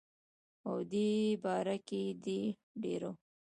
او دې باره کښې دَ ډيرو